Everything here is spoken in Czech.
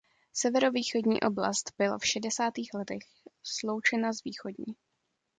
Severovýchodní oblast byla v šedesátých letech sloučena s východní.